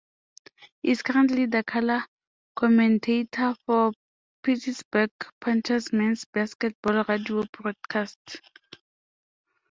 He is currently the color commentator for Pittsburgh Panthers men's basketball radio broadcasts.